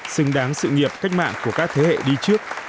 xứng đáng sự nghiệp cách mạng của các thế hệ đi trước